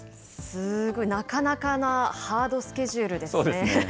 すごい、なかなかなハードスケジュールですね。